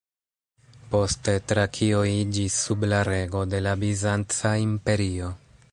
Poste, Trakio iĝis sub la rego de la Bizanca Imperio.